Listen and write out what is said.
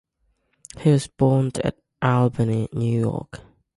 He was born at Albany, New York.